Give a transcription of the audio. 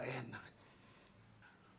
perasaan bapak kok tidak enak